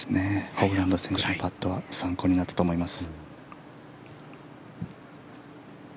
ホブラン選手のパットは参考になったと思います。